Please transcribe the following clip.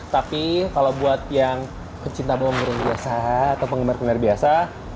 tapi kalau buat yang pencinta bawang goreng biasa atau penggemar kemenar biasa